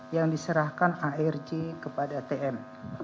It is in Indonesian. yang diserahkan arj kepada tm